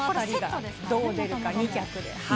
どう出るか、２客で。